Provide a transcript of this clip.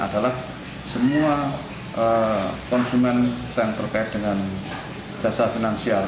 adalah semua konsumen yang terkait dengan jasa finansial